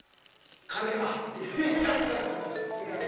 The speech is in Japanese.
いやいや違います。